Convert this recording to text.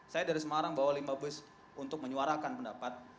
saya dari semarang bawa lima bus untuk menyuarakan pendapat